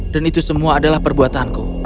dan itu semua adalah perbuatanku